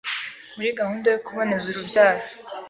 muri gahunda yo kuboneza urubyaro